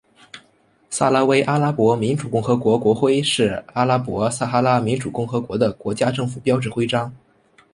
撒拉威阿拉伯民主共和国国徽是阿拉伯撒哈拉民主共和国的国家政府标志徽章。